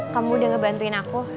kamu udah ngebantuin aku